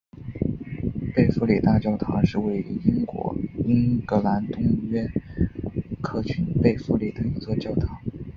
贝弗利大教堂是位于英国英格兰东约克郡贝弗利的一座教堂。